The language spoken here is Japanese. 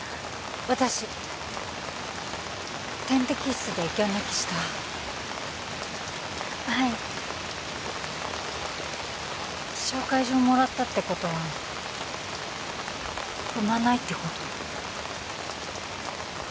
私点滴室でギャン泣きしたはい紹介状もらったってことは産まないってこと？